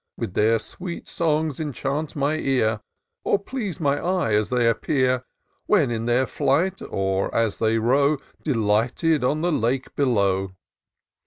With their sweet songs enchant my ear, Or please my eye as they appear. When in their flight, or as they row Delighted on the lake below